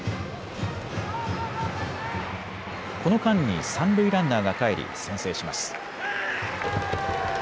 この間に三塁ランナーが帰り先制します。